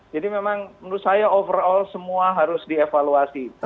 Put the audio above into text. jadi memang menurut saya overall semua harus dievaluasi